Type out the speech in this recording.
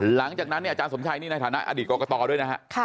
หลังจากนั้นเนี่ยอาจารย์สมชัยนี่ในฐานะอดีตกรกตด้วยนะฮะ